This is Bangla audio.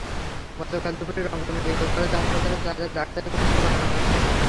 গতকাল দুপুরে রংপুর মেডিকেল কলেজে হাসপাতালে তাঁদের ডাক্তারি পরীক্ষা করানো হয়েছে।